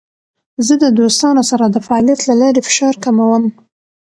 زه د دوستانو سره د فعالیت له لارې فشار کموم.